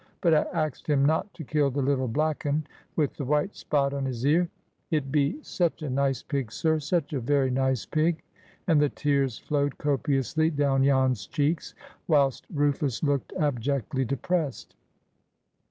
But I axed him not to kill the little black un with the white spot on his ear. It be such a nice pig, sir, such a very nice pig!" And the tears flowed copiously down Jan's cheeks, whilst Rufus looked abjectly depressed.